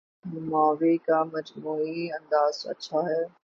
movie کا مجموعی انداز اچھا ہے